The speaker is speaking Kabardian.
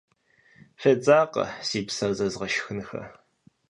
Федзакъэ, си псэр зэзгъэшхынхэ.